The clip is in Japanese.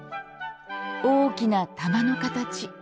大きな玉の形。